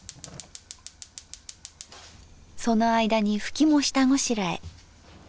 その間にふきも下ごしらえ。